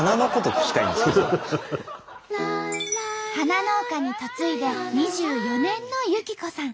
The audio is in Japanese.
花農家に嫁いで２４年の友紀子さん。